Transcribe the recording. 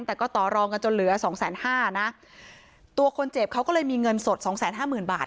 แต่ก็ต่อรองกันจนเหลือสองแสนห้านะตัวคนเจ็บเขาก็เลยมีเงินสดสองแสนห้าหมื่นบาท